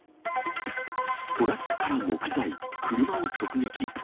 トラックから木材、車を直撃。